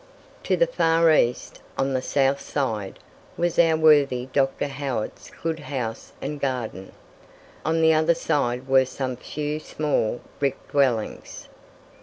To the far east, on the south side, was our worthy Dr. Howitt's good house and garden. On the other side were some few small brick dwellings.